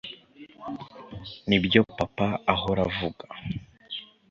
nibyo papa ahora avuga